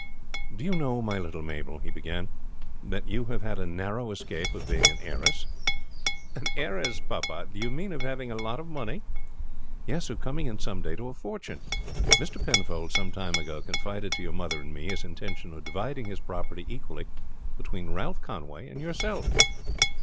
"Do you know, my little Mabel," he began, "that you have had a narrow escape of being an heiress?" "An heiress, papa! Do you mean of having a lot of money?" "Yes, of coming in some day to a fortune. Mr. Penfold some time ago confided to your mother and me his intention of dividing his property equally between Ralph Conway and yourself."